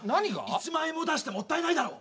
１万円も出してもったいないだろ。